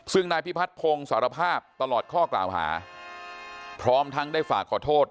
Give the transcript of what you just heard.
ซึ่งนายพิพัฒนพงศ์สารภาพตลอดข้อกล่าวหาพร้อมทั้งได้ฝากขอโทษ